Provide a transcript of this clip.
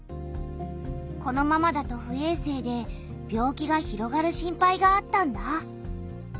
このままだと不衛生で病気が広がる心配があったんだ。